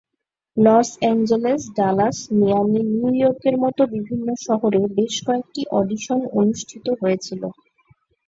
Loss Angeles, Dallas, Miami, নিউইয়র্কের মতো বিভিন্ন শহরে বেশ কয়েকটি অডিশন অনুষ্ঠিত হয়েছিল।